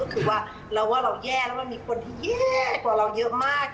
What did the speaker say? ก็คือว่าเราว่าเราแย่แล้วมันมีคนที่แย่กว่าเราเยอะมาก